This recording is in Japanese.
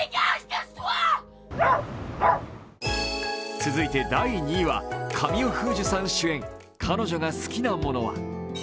続いて第２位は神尾楓珠さん主演、「彼女が好きなものは」。